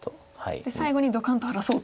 で最後にドカンと荒らそうってことですか。